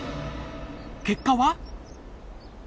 結果は？